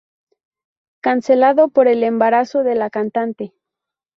Cancelado por el embarazo de la cantante.